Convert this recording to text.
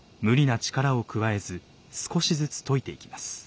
無理な力を加えず少しずつといていきます。